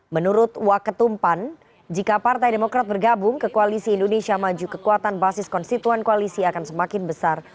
menurut waketumpan jika partai demokrat bergabung ke koalisi indonesia maju kekuatan basis konstituen koalisi akan semakin besar